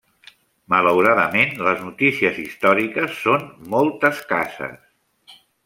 Malauradament les notícies històriques són molt escasses.